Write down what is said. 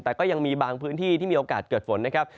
แต่ก็ยังมีบางพื้นที่ที่มีโอกาสเกิดฝนนะครับ